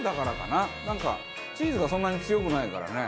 なんかチーズがそんなに強くないからね。